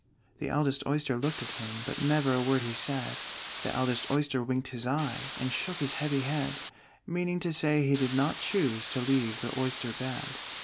The eldest Oyster looked at him, But never a word he said: The eldest Oyster winked his eye, And shook his heavy head Meaning to say he did not choose To leave the oyster bed.